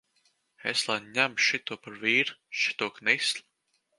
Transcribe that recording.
Es lai ņemu šito par vīru, šito knisli!